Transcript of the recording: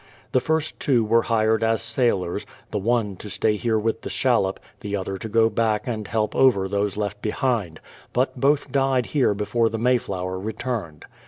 The first two were hired as sailors, the one to stay here with the shallop, the other to go back and help over those left behind; but both died here before the Mayflower returned.